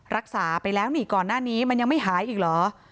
รักษาไปแล้วนี่ก่อนหน้านี้มันยังไม่หายอีกเหรอ